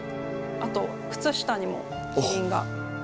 あと靴下にもキリンが。